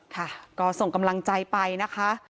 ค่ะก็ส่งกำลังใจไปนะคะ